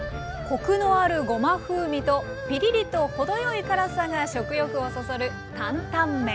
コクのあるごま風味とピリリと程よい辛さが食欲をそそる担々麺。